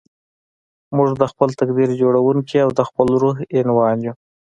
موږ د خپل تقدير جوړوونکي او د خپل روح عنوان يو.